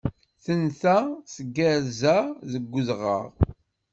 Tenta tgersa deg udɣaɣ.